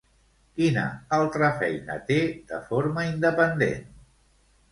Quina altra feina té de forma independent?